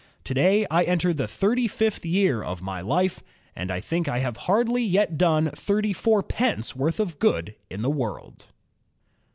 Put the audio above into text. "To day I enter the thirty fifth year of my life, and I think I have hardly yet done thirty four pence worth of good in the world."